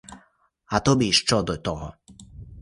А тобі що до того?